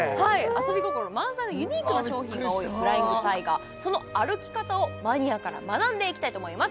遊び心満載のユニークな商品が多いフライングタイガーその歩き方をマニアから学んでいきたいと思います